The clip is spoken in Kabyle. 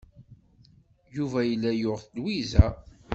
Yuba yella yuɣ Lwiza.